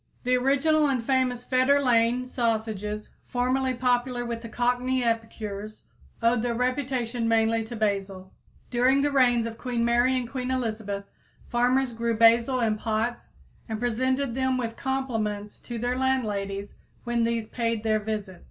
The original and famous Fetter Lane sausages, formerly popular with Cockney epicures, owed their reputation mainly to basil. During the reigns of Queen Mary and Queen Elizabeth farmers grew basil in pots and presented them with compliments to their landladies when these paid their visits.